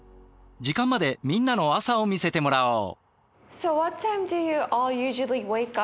時間までみんなの朝を見せてもらおう。